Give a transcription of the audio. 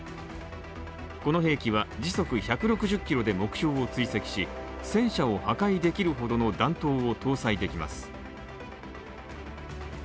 この兵器は時速１６０ｋｍで目標を追跡し戦車を破壊できるほどの弾頭を搭載できます。